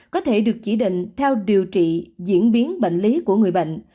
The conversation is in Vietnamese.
có thể được chỉ định theo điều trị diễn biến bệnh lý của người bệnh